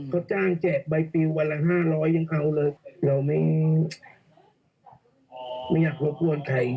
เขาจ้างแจกใบปิววันละ๕๐๐ยังเอาเลยเราไม่อยากรบกวนใคร